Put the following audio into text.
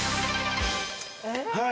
はい！